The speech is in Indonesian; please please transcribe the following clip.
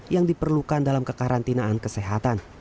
yang diperlukan dalam kekarantinaan kesehatan